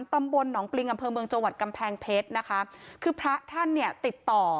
ตำบลหนองปริงอำเภอเมืองจังหวัดกำแพงเพชรนะคะคือพระท่านเนี่ยติดต่อ